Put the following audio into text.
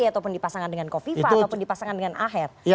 ataupun dipasangkan dengan kofifa ataupun dipasangkan dengan aher